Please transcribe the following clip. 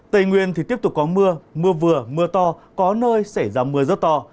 tây nguyên thì tiếp tục có mưa mưa vừa mưa to có nơi xảy ra mưa rất to